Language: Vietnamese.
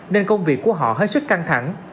nên công việc của họ hết sức căng thẳng